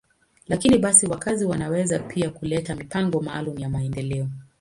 Lakini basi, wakazi wanaweza pia kuleta mipango maalum ya maendeleo.